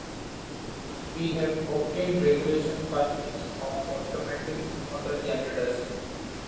We have obtained regulation by means of automatic motor-generators.